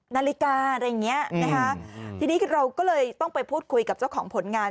นาฬิกาอะไรอย่างเงี้ยนะคะทีนี้เราก็เลยต้องไปพูดคุยกับเจ้าของผลงาน